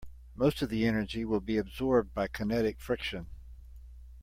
Most of the energy will be absorbed by kinetic friction.